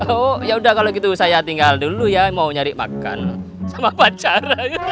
oh yaudah kalau gitu saya tinggal dulu ya mau nyari makan sama pacar